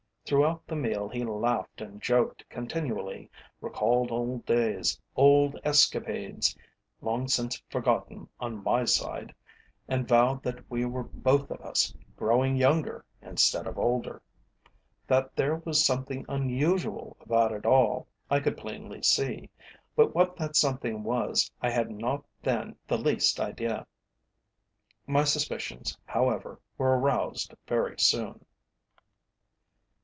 Throughout the meal he laughed and joked continually, recalled old days, old escapades, long since forgotten on my side, and vowed that we were both of us growing younger instead of older. That there was something unusual about it all I could plainly see, but what that something was I had not then the least idea. My suspicions, however, were aroused very soon.